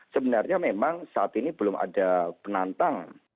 sebenarnya memang saat ini belum ada penantang